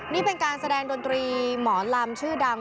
นี่เป็นการแสดงดนตรีหมอลำชื่อดัง